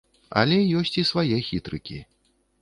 Але ёсць і свае хітрыкі.